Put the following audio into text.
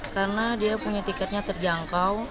karena dia punya tiketnya terjangkau